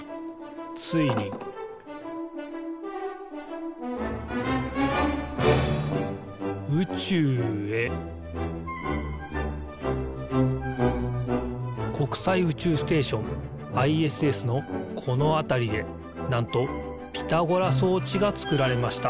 ついに宇宙へ国際宇宙ステーションＩＳＳのこのあたりでなんとピタゴラそうちがつくられました。